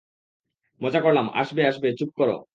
মজা করলাম, আসবে আসবে, - চুপ কর।